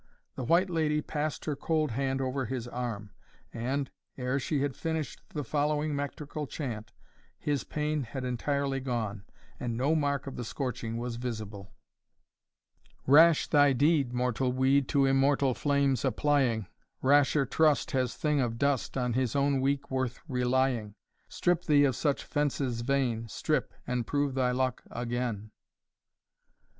The White Lady passed her cold hand over his arm, and, ere she had finished the following metrical chant, his pain had entirely gone, and no mark of the scorching was visible: "Rash thy deed, Mortal weed To immortal flames applying; Rasher trust Has thing of dust, On his own weak worth relying: Strip thee of such fences vain, Strip, and prove thy luck, again."